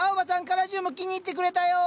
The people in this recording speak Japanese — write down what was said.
カラジウム気に入ってくれたよ！